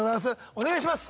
お願いします。